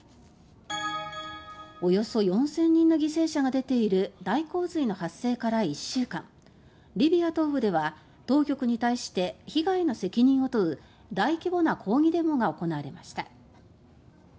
およそ４０００人の犠牲者が出ている大洪水の発生から１週間リビア東部では、当局に対して被害の責任を問う大規模な抗議デモが行われました。